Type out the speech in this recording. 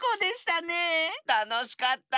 たのしかった。